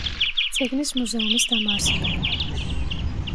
წიგნის მუზეუმის დამაარსებელი.